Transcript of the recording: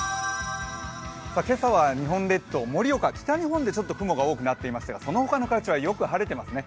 今朝は日本列島、盛岡、北日本で雲が多くなっていましたがその他の地域はよく晴れてますね。